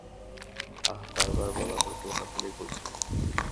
আহ, বারবার বলা গুরুত্বপূর্ণ বলেই বলেছি।